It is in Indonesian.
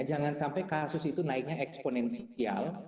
jangan sampai kasus itu naiknya eksponensial